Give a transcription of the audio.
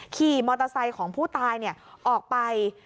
ขี่มอเตอร์ไซค์ของผู้ตายออกไป